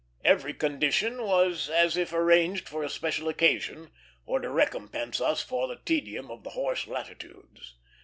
Every condition was as if arranged for a special occasion, or to recompense us for the tedium of the horse latitudes.